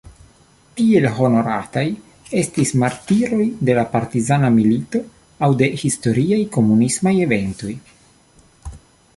Tiel honorataj estis martiroj de la partizana milito aŭ de historiaj komunismaj eventoj.